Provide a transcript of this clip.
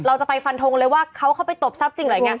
เราจะไปฟันชมเลยว่าเขาเขาไปตบสอบจริงแหละเนี้ย